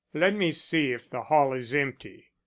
Let me see if the hall is empty."